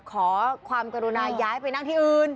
ขอความกรุณาย้ายไปนั่งที่อื่น